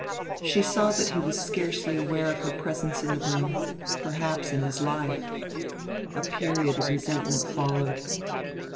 She saw that he was scarcely aware of her presence in the room, perhaps in his life. A period of resentment followed.